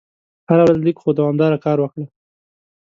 هره ورځ لږ خو دوامداره کار وکړه.